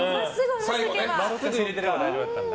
真っすぐ入れてれば大丈夫だったんだ。